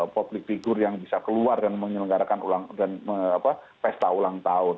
public figure yang bisa keluar dan menyelenggarakan pesta ulang tahun